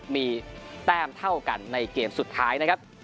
มีแต้มเท่ากันในเกมสุดท้าย